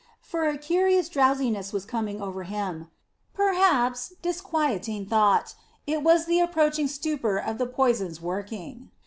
For a curious drowsiness was coming over him. Perhaps, disquieting thought, it was the approaching stupor of the poison's working.